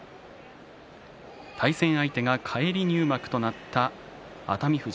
対戦相手は返り入幕となった熱海富士。